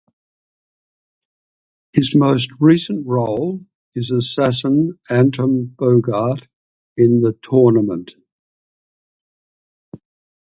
His most-recent role is assassin Anton Bogart in "The Tournament".